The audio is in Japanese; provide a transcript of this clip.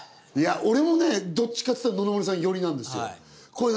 俺もねどっちかっていったら野々村さん寄りなんですよ。